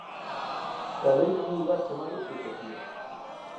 Cando entras nun lugar chamado utopía